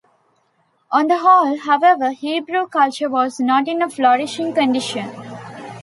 On the whole, however, Hebrew culture was not in a flourishing condition.